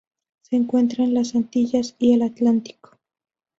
Se encuentra en las Antillas y el Atlántico.